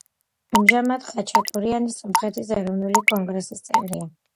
ამჟამად, ხაჩატურიანი სომხეთის ეროვნული კონგრესის წევრია.